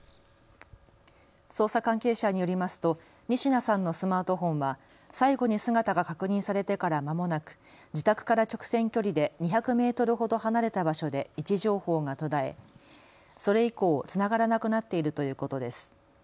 捜査関係者によりますと仁科さんのスマートフォンは最後に姿が確認されてからまもなく自宅から直線距離で２００メートルほど離れた場所で位置情報が途絶えそれ以降、つながらなくなっているということです。